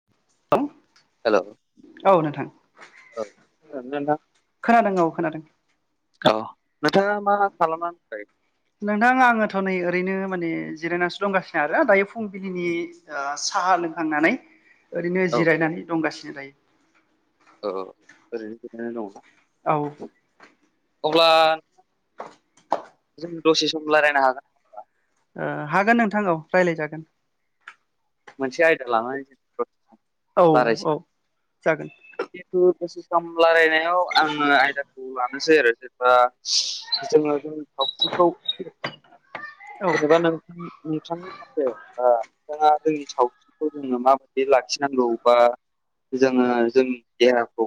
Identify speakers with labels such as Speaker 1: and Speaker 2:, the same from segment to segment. Speaker 1: [unintelligible]
Speaker 2: हेल' औ
Speaker 1: नोंथां
Speaker 2: नोंथां
Speaker 1: खोनादों औ खोनादों
Speaker 2: औ नोंथाङा मा खालामना होनबाय?
Speaker 1: नोंथां आङोथ' नै ओरैनो माने जिरायनानैसो दंगासिनो आरो दायो फुंबिलिनि ओ साहा लोंखांनानै ओरैनो
Speaker 2: औ
Speaker 1: जिरायनानै दंगासिनो दायो।
Speaker 2: औ ओरैनो गोजनो
Speaker 1: औ
Speaker 2: दंना
Speaker 1: ओ
Speaker 2: अब्ला जों दसे सम रायज्लायनो हागोन।
Speaker 1: हागोन नोंथां रायज्लायजागोन
Speaker 2: मोनसे आयदा लानानै जों
Speaker 1: औ औ जागोन
Speaker 2: गोसख रायलायनायाव आङो आयदाखौ लानानै मोननोसै आरो जेनेबा जोङो जों सावथि्रिखौ
Speaker 1: औ
Speaker 2: जेनेबा नोंथां नोंथां से नोंथाङा जोंनि सावस्रिखौ जोङो माबायदि लाखिनांगौ बा जोङो जोंनि देहाखौ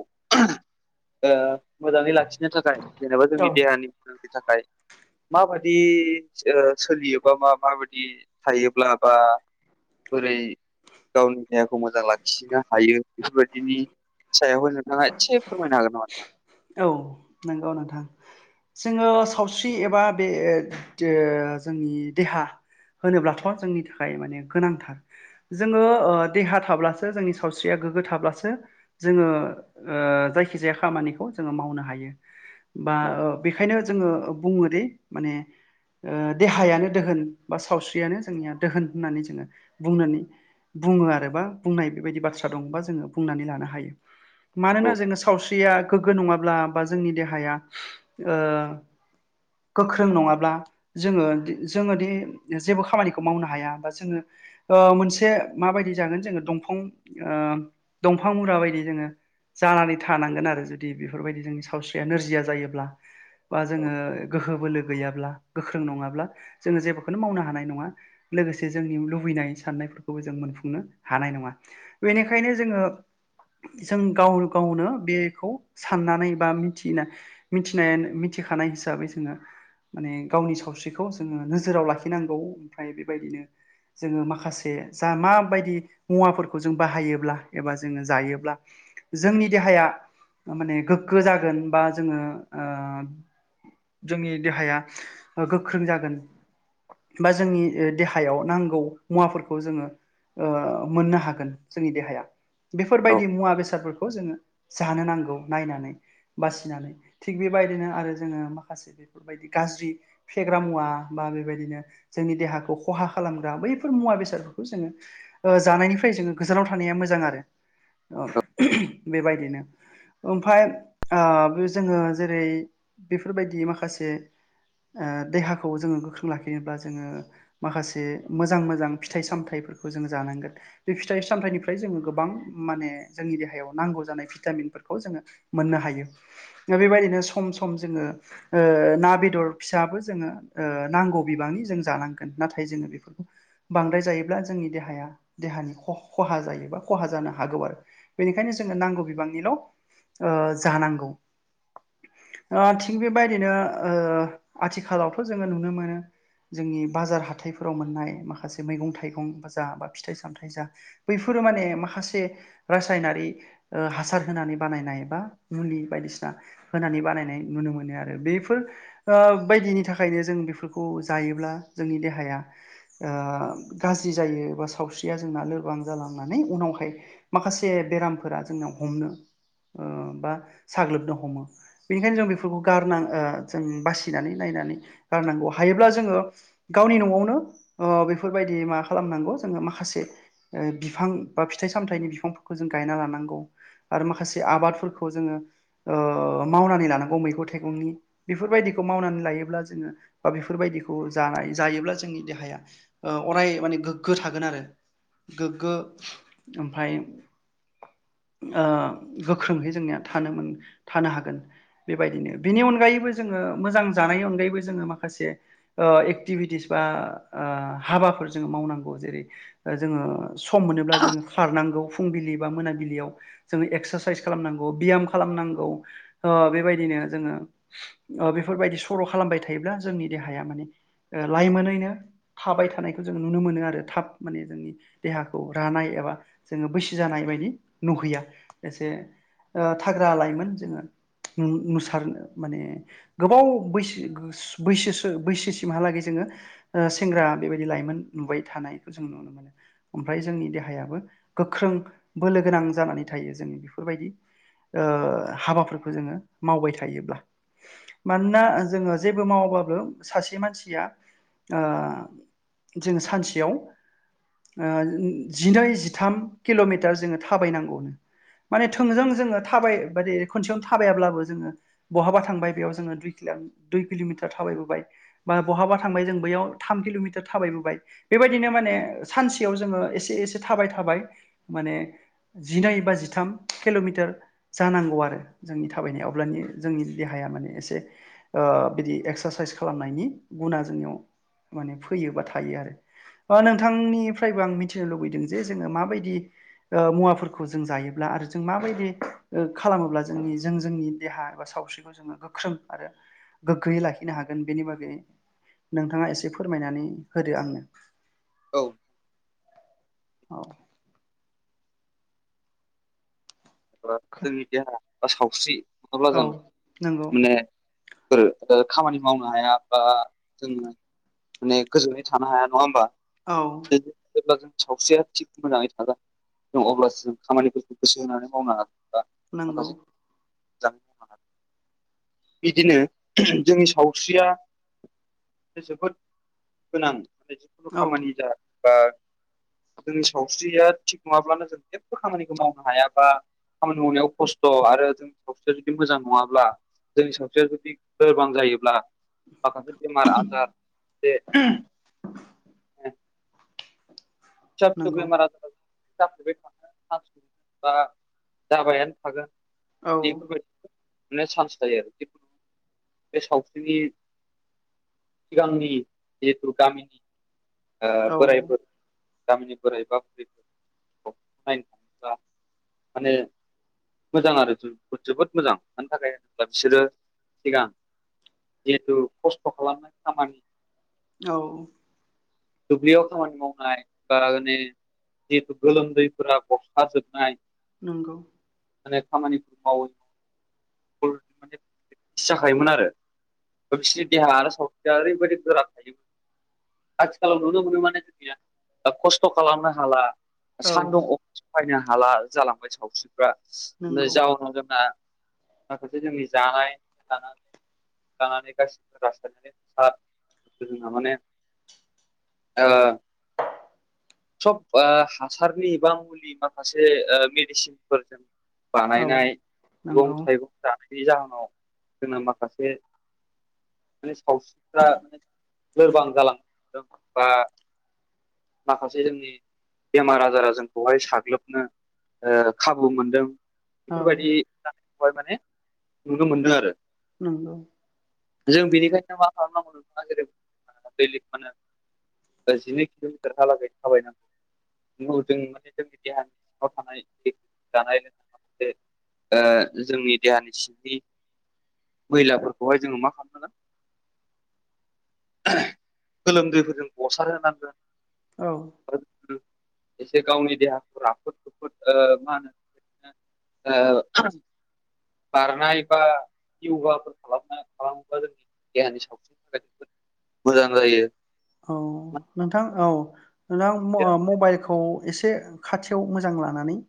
Speaker 2: ओ मोजाङै लाखिनो थाखाय जेनेबा
Speaker 1: औ
Speaker 2: जोंनि देहानि मांनि थाखाय माबादि ओ सोलियोबा मा माबायदि थायोब्ला बा बोरै गावनि देहाखौ मोजां लाखिनो हायो बेफोरबायदिनि सायावायबो नोंथाङा एसे फोरमायनोहागोन नामा ना?
Speaker 1: औ नों गौ नोंथां जोङो सावस्रि एबा बे ओ दो जोंनि देहा होनोब्लाथ' जोंनि थाखाय माने गोनांथार जोङो ओ देहा थाब्लासो जोंनि सावस्रिया गोग्गो थाब्लासो जोङो ओ जायखिजाया खामानिखौ जोङो मावनो हायो। बा
Speaker 2: औ
Speaker 1: ओ बेखायनो जोङो बुङोदि माने ओ देहायानो दोहोन बा सावस्रियानो जोंनिया दोहोन होननानै जोङो बुंनानै? बुङो आरोबा बुंनाय बेबायदि बाथ्रा दंबा जोङो बुंनानै लानो हायो। मानोना जोङो सावस्रिया गोग्गो नङाब्ला बा जोंनि देहाया गोख्रों नङाब्ला जोङो जोङोदि जेबो खामानिखौ मावनो हाया बा जोङो ओ मोनसे माबायदि जागोन जोङो दंफां दंफां मुरा बायदि जोङो जानानै थानांगोन आरो जुदि बेफोरबायदि जोंनि सा सावस्रिया नोरजिया जायोब्ला बा
Speaker 2: औ
Speaker 1: जोङो गोहो बोलो गैयाब्ला गोख्रों नङाब्ला जोङो जेबोखौनो मावनो हानाय नङा लोगोसे जोंनि लुबैनाय साननायफोरखौबो जों मोनफुंनो हानाय नङा बेनिखायनो जोङो जों गाव गावनो बेखौ साननानै बा मिथिना मिथिनाय मिथिखानाय हिसाबै जोङो माने गावनि सावस्रिखौ जोङो नोजोराव लाखिनांगौ ओमफ्राय बेबायदिनो जोङो माखासे जा माबायदि मुवाफोरखौ जों बाहायोब्ला एबा जोङो जायोब्ला जोंनि देहाया माने गोग्गो जागोन बा जोङो ओ जोंनि देहाया ओ गोख्रों जागोन बा जोंनि ओ देहायाव नांगौ मुवाफोरखौ जोङो ओ मोननो हागोन जोंनि देहाया
Speaker 2: औ
Speaker 1: बेफोरबायदि मुवा बेसादफोरखौ जोङो जानो नांगौ नायनानै बासिनानै थिग बेबायदिनो आरो जोङो माखासे बेफोरबायदि गाज्रि फेग्रा मुवा बा बेबायदिनो जोंनि देहाखौ खहा खालामग्रा बैफोर मुवा बेसादफोरखौ जोङो ओ जानायनिफ्राय जोङो गोजानाव थानाया मोजां आरो औ बेबायदिनो ओमफ्राय ओ बे जोङो जेरै बेफोरबायदि माखासे ओ देहाखौ जोङो गोख्रों लाखिनोब्ला जोङो माखासे मोजां मोजां फिथाइ सामथाइफोरखौ जों जानांगोन बे फिथाइ सामथाइनिफ्राय जोङो गोबां माने जोंनि देहायाव नांगौ जानाय भिटामिनफोरखौ जोङो मोननो हायो दा बेबायदिनो सम सम जोङो ओ ना, बेदर फिसाबो जोङो ओ नांगौ बिबांनि जों जानांगोन नाथाय जोङो बेफोरखौ बांद्राय जायोब्ला जोंनि देहाया देहानि खहा जायो बा खहा जानो हागौ आरो बेनिखायनो जोङो नांगौ बिबांनिल' ओ जानांगौ ओ थिग बेबायदिनो आथिखालावथ' जोङो नुनो मोनो जोंनि बाजार हाथाइफोराव मोननाय माखासे मैगं थाइगं बा जा बा फिथाइ सामथायाइ जा बैफोरो माने माखासे रासायनारि ओ हासार होनानै बानायनाय बा मुलि बायदिसिना होनानै बानायनाय नुनो मोनो आरो बेफोर ओ बिबायदिनि थाखायनो जों बेफोरखौ जायोब्ला जोंनि देहाया गाज्रि जायो बा सावस्रिया जोंना लोरबां जालांनानै उनावहाय माखासे बेरामफोरा जोंनियाव हमनो बा साग्लोबनो हमो बेनिखायनो जों बेफोरखौ गारनां ओ जों बासिनानै नायनानै गारनांगौ हायोब्ला जोङो गावनि न'आवनो ओ बेफोरबायदि मा खालामनांगौ जोङो माखासे ओ बिफां बा फिथाइ सामथायाइनि बिफांफोरखौ जों गायना लानांगौ आरो माखासे आबादफोरखौ जोङो ओ मावनानै लानांगौ मैगं थाइगंनि बेफोरबायदिखौ मावनानै लायोब्ला जोङो बा बेफोरबायदिखौ जानाय जायोब्ला जोंनि देहाया ओ अराय माने गोग्गो थागोन आरो गोग्गो ओमफ्राय ओ गोख्रोङै जोंनिया थानो मोन थानो हागोन बेबायदिनो बेनि अनगायैबो जोङो मोजां जानायनि अनगायैबो जोङो माखासे ओ एक्टिभिटिस बा ओ हाबाफोर जोङो मावनांगौ जेरै जोङो सम मोनोब्ला जोङो खारनांगौ फुंबिलि बा मोनाबिलियाव जोङो एक्सारसाइस खालामनांगौ बियाम खालामनांगौ ओ बेबायदिनो जोङो ओ बेफोरबायदि सर' खालामबाय थायोब्ला जोंनि देहाया माने ओ लाइमोनैनो थाबाय थानायखौ जों नुनो मोनो आरो थाब माने जोंनि देहाखौ रानाय एबा जोङो बैसो जानाय बायदि नुहैया एसे ओ थाग्रा लाइमोन जोङो नु-नुसारनो माने गोबाव बैसो बैसोसो बैसोसिमहालागै जोङो सेंग्रा बेबायदि लाइमोन नुबाय थानायखौ जों नुनो मोनो। ओमफ्राय जोंनि देहायाबो गोख्रों बोलो गोनां जानानै थायो। जों बेफोरबायदि ओ हाबाफोरखौ जोङो मावबाय थायोब्ला। मानोना जोङो जेबो मावाबाबो सासे मानसिया ओ जों सानसेयाव जिनै जिथाम किल'मिटार जोङो थाबायनांगौनो। माने थोंजों जोङो थाबाय बाददि खनसेयावनो थाबायाब्लाबो जोङो बहाबा थांबाय बेयाव जोङो दुइ किला दुइ किल'मिटार थाबायबोबाय। बा बहाबा थांबाय जों बैयाव थाम किल'मिटार थाबायबोबाय। बेबायदिनो माने सानसेयाव जोङो एसे एसे थाबाय थाबाय माने जिनै बा जिथाम किल'मिटार जानांगौ आरो जोंनि थाबायनाया, अब्लानि जोंनि देहाया माने एसे बिदि एक्सारसाइस खालामनायनि गुना जोंनियाव माने फैयो बा थायो आरो। नोंथांनिफ्रायबो आं मिथिनो लुबैदों जे जोङो माबायदि मुवाफोरखौ जों जायोब्ला आरो जों माबायदि खालामोब्ला जोंनि जों जोंनि देहा एबा सावस्रिखौ जोङो गोख्रों आरो गोग्गोयै लाखिनो हागोन बेनि बागै नोंथाङा एसे फोरमायनानै होदो आंनो।
Speaker 2: औ।
Speaker 1: अह।
Speaker 2: जोंनि देहा बा सावस्रि नङाब्ला
Speaker 1: औ
Speaker 2: जों
Speaker 1: नंगौ
Speaker 2: माने फोरो खामानि मावनो हाया बा जोङो माने गोजोनै थानो हाया नङा होमबा?
Speaker 1: औ।
Speaker 2: जेब्ला जों सावस्रिया थिग मोजाङै थागोन जों अब्लासो जों खामानिफोरखौ गोसो होनानै मावनो हागोन बा
Speaker 1: नंगौ
Speaker 2: माखसे मोजाङै थानो हागोन। बिदिनो जोंनि सावस्रिया जोबोद गोनां माने जिखुनु
Speaker 1: औ
Speaker 2: खामानि जा बा जोंनि सावस्रिया थिग नङाब्लानो जों जेबो खामानिखौ मावनो हाया बा खामानि मावनायाव खस्थ आरो जों सावस्रिया जुदि मोजां नङाब्ला जोंनि सावस्रिया जुदि लोरबां जायोब्ला माखासे बेमार आजार जे फिसा फिसौ
Speaker 1: नंगौ
Speaker 2: बेमार आजार जाफ्लेबाय थानो बा जाबायानो हागोन
Speaker 1: औ
Speaker 2: बेफोरबायदि माने चान्स थायो आरो जिखुनु बे सावस्रिनि सिगांनि जिहेथु गामिनि ओ
Speaker 1: औ
Speaker 2: बोरायफोर गामिनि बोराइ एबा बुरै नायनो थाङोब्ला माने मोजां आरो जोबोद मोजां मानि थाखाय होनब्ला बिसोरो सिगां जिहेथु खस्थ खालामनाय खामानि
Speaker 1: औ।
Speaker 2: दुब्लियाव खामानि मावनाय बा जिहेथु गोलोमदैफोरा गसार जोबनाय
Speaker 1: नंगौ।
Speaker 2: माने खामानि मावो फुल माने बि जाखायोमोन आरो बिसोरनि देहा आरो सावस्रिया ओरैबायदि गोरा थायो। आथिखालाव नुनो मोनो माने जोंनिया खस्थ' खालामनो हाला।
Speaker 1: औ
Speaker 2: सान्दुं अखा सहायनो हाला जालांबाय सावस्रिफ्रा।
Speaker 1: नंगौ
Speaker 2: जाउनाव जोंना माखासे जोंनि जानाय थानाय लानानै गासिबो रासायनारि हा जोंहा माने ओ सब हासारनि बा मुलि माखासे ओ मेडिसिनफोरजों
Speaker 1: औ
Speaker 2: बानायनाय मैगं
Speaker 1: नंगौ
Speaker 2: थाइगं जानायनि जाहोनाव जोंना माखासे माने सावस्रिफ्रा लोरबां जालांदों बा माखासे जोंनि बेमार आजारा जोंखौहाय साग्लोबनो ओ खाबु मोनदों
Speaker 1: औ
Speaker 2: बेफोरबायदि जानायखौहाय माने नुनो मोनदों आरो।
Speaker 1: नंगौ।
Speaker 2: जों बेनिखायनो मा खालामनांगौ नोंथाङा जेरै दैलि मानो ओ जिनै किल'मिटारहालागै थाबायनांगौ [inaudible] [inaudible] ओ जोंनि देहानि सिंनि मैलाफोरखौहाय जोङो मा खालामनांगोन गोलोमदैफोरजों गसारहोनांगोन।
Speaker 1: औ
Speaker 2: आरो [inaudible] एसे गावनि देहाखौ राफोद रुफोद ओ मा होनो [inaudible] ओ बारनाय बा योगाफोर खालामना खालामोबा जोंनि देहानि सावस्रिनि थाखाय जोबोद मोजां जायो।
Speaker 1: औ नोंथां औ नोंथां म आ मबाइलखौ एसे खाथियाव मोजां लानानै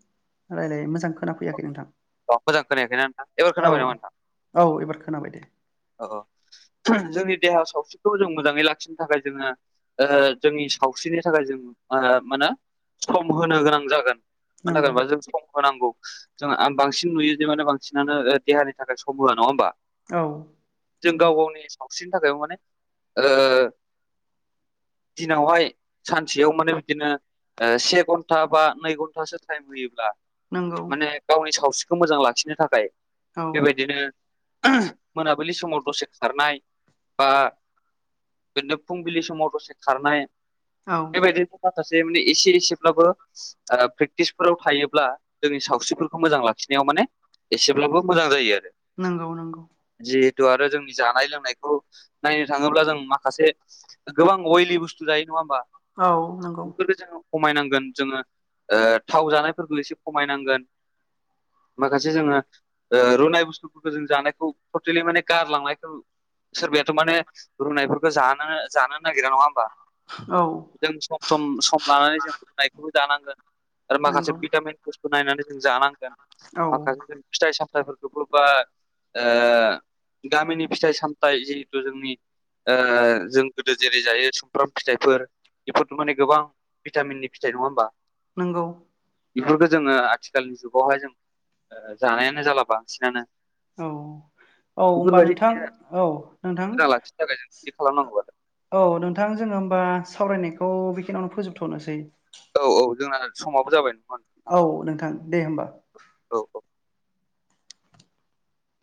Speaker 1: रायलाय मोजां खोनाफैयाखै नोंथां।
Speaker 2: अ मोजां खोनायाखैना नोंथां एबार
Speaker 1: औ
Speaker 2: खोनाबाय नामा नोंथां?
Speaker 1: औ एबार खोनाबाय दे।
Speaker 2: अ औ जोंनि देहायाव सावस्रिखौ जों मोजाङै लाखिनो थाखाय जोङो ओ जोंनि सावस्रिनि थाखाय जों मा होने मानो सम होनो गोनां जागोन। मानो
Speaker 1: नंगौ
Speaker 2: थाखायबा जों सम होनांगौ। जों आं बांसिन नुयो जे माने बांसिनानो ओ देहानि थाखाय सम होआ नङा होनबा?
Speaker 1: औ।
Speaker 2: जों
Speaker 1: नंगौ
Speaker 2: गाव गावनि सावस्रिनि थाखाय माने ओ दिनावहाय सानसेयाव माने बिदिनो ओ से घन्टा बा नै घन्टासो टाइम होयोब्ला
Speaker 1: नंगौ
Speaker 2: माने गावनि सावस्रिखौ मोजां लाखिनो थाखाय
Speaker 1: औ
Speaker 2: बेबायदिनो मोनाबिलि समाव दसे खारनाय बा बिदनो फुंबिलि समाव दसे खारनाय
Speaker 1: औ
Speaker 2: बे बायदिनो माखासे माने एसे एसेब्लाबो ओ प्रेक्टिसफोराव थायोब्ला जोंनि सावस्रिफोरखौ मोजां लाखिनायाव माने एसेब्लाबो मोजां जायो आरो।
Speaker 1: नोंगौ नंगौ।
Speaker 2: जिहेथु आरो जोंनि जानाय लोंनायखौ नायनो थाङोब्ला जों माखासे गोबां अयलि बुस्थु जायो नङा होमबा
Speaker 1: औ नंगौ
Speaker 2: बेफोरखो जोंङो खमायनांगोन जोङो ओ थाव जानायफोरखौ एसे खमायनांगोन। माखासे जोङो ओ रुनाय बुस्थुफोरखो जों जानायखौ टटेलि माने गारलांनायखो सोरबायाथ' माने रुनायफोरखौ जनोनो जानो नागिरा नङा होमबा?
Speaker 1: औ।
Speaker 2: जों सम सम सम लानानै जों रुनायखौबो जानांगोन। आरो माखासे
Speaker 1: नंगौ
Speaker 2: भिटामिन बस्थु नायनानै जों जानांगोन
Speaker 1: औ
Speaker 2: माखासे जों फिथाइ सामथाइफोरखौबो बा ओ गामिनि फिथाइ सामथाइ जिहेथु जोंनि ओ जों गोदो जेरै जायो सुमफ्राम फिथाइफोर बेफोरथ' माने गोबां भिटामिननि फिथाइ नङा होमबा?
Speaker 1: नोंगौ।
Speaker 2: इफोरखो जोङो आथिखालनि जुगावहाय जों ओ जानायानो जाला बांसिनानो।
Speaker 1: औ औ होनबा
Speaker 2: बेफोरबायदि
Speaker 1: नोंथां औ नोंथां
Speaker 2: मोजां लाखिनो थाखाय जों बिदि खालामनांगौ आरो
Speaker 1: औ नोंथां जोङो होमबा सावरायनायखौ बेखिनियावनो फोजोबथ'नोसै।
Speaker 2: औ औ जोंना समावबो जाबाय नंगौ
Speaker 1: औ नोंथां दे होमबा
Speaker 2: औ औ।